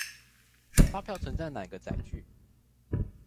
發票存在哪個載具